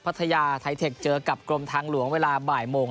พัทยาไทเทคเจอกับกรมทางหลวงเวลาบ่ายโมง